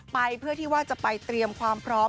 ไปเพื่อที่ว่าจะไปเตรียมความพร้อม